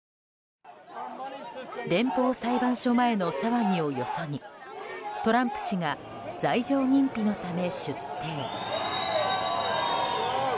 連邦裁判所前の騒ぎをよそにトランプ氏が罪状認否のため出廷。